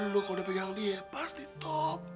lo kalau dipegang dia pasti top